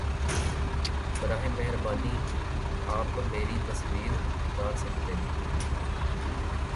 براہ مہربانی آپ میری تصویر اتار سکتے